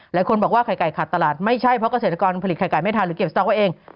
หลายคนบอกว่าไข่ไก่ขาดตลาดไม่ใช่เพราะเกษตรกรผลิตไข่ไก่ไม่ทันหรือเก็บสต๊อกไว้เอง